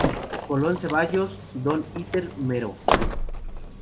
Colón Cevallos, don Iter Mero.